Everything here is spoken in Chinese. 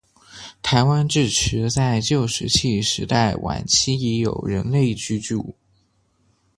台湾至迟在旧石器时代晚期已有人类居住。